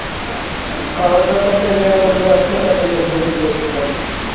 খাওয়ার ব্যাপারটায় যে আনন্দ আছে তা তিনি ভুলে গিয়েছিলেন।